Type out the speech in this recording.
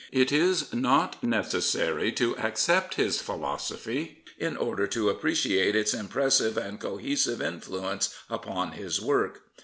It is not necessary to accept his philosophy in order to appreciate its impressive and cohesive influence upon his work.